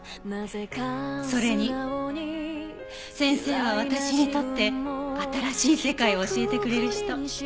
それに先生は私にとって新しい世界を教えてくれる人。